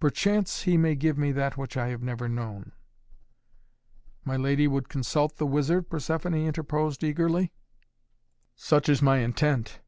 "Perchance he may give me that which I have never known " "My lady would consult the wizard?" Persephoné interposed eagerly. "Such is my intent."